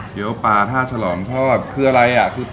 เกี้ยวปลาท่าฉลอมทอดคืออะไรอ่ะ